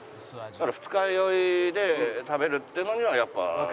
二日酔いで食べるっていうのにはやっぱ。